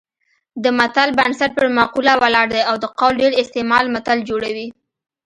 د متل بنسټ پر مقوله ولاړ دی او د قول ډېر استعمال متل جوړوي